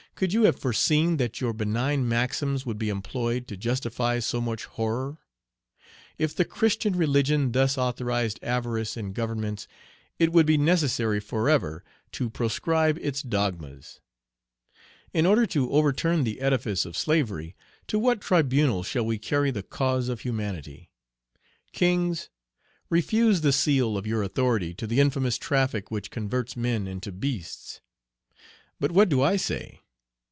could you have foreseen that your benign maxims would be employed to justify so much horror? If the Christian religion thus authorized avarice in Governments, it would be necessary forever to proscribe its dogmas. In order to overturn the edifice of slavery, to what tribunal shall we carry the cause of humanity? Kings, refuse the seal of your authority to the infamous traffic which converts men into beasts. But what do I say?